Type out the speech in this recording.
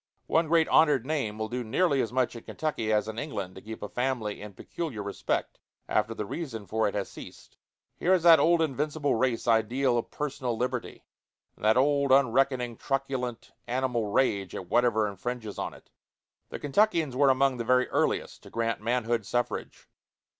One great honored name will do nearly as much in Kentucky as in England to keep a family in peculiar respect, after the reason for it has ceased. Here is that old invincible race ideal of personal liberty, and that old, unreckoning, truculent, animal rage at whatever infringes on it. The Kentuckians were among the very earliest to grant manhood suffrage.